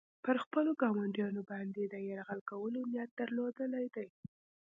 پر خپلو ګاونډیانو باندې یې د یرغل کولو نیت درلودلی دی.